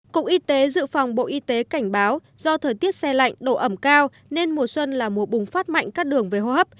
cục y tế dự phòng bộ y tế cảnh báo do thời tiết xe lạnh độ ẩm cao nên mùa xuân là mùa bùng phát mạnh các đường về hô hấp